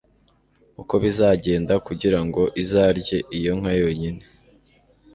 uko bizagenda kugira ngo izarye iyo nka yonyine